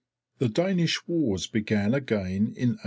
The Danish wars began again in 893.